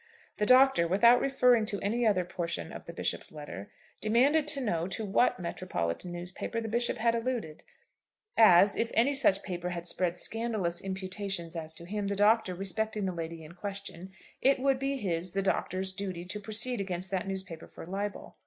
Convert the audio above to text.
The Doctor, without referring to any other portion of the Bishop's letter, demanded to know to what "metropolitan newspaper" the Bishop had alluded, as, if any such paper had spread scandalous imputations as to him, the Doctor, respecting the lady in question, it would be his, the Doctor's, duty to proceed against that newspaper for libel.